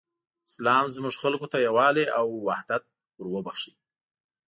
اسلام زموږ خلکو ته یووالی او حدت وروباښه.